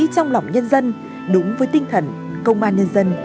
trong lòng nhân dân đúng với tinh thần công an nhân dân